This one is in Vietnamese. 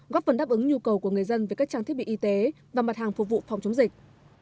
góp phần đáp ứng nhu cầu của người dân về các trang thiết bị y tế và mặt hàng phục vụ phòng chống dịch